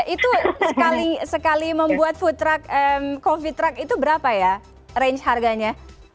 itu sekali membuat food coffee truck itu berapa ya range harganya